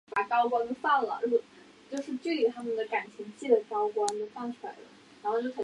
为日本漫画家东村明子创作的少女漫画作品。